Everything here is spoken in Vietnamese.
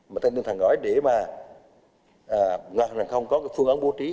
mà tân tân thành nói để mà ngàn hàng hàng không có phương án bố trí